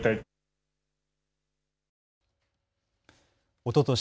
おととし